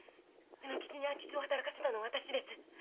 卯之吉に空き巣を働かせたのは私です。